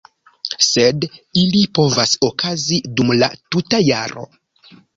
Sed ili povas okazi dum la tuta jaro.